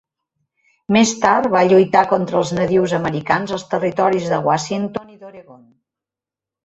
Més tard va lluitar contra els nadius americans als territoris de Washington i d'Oregon.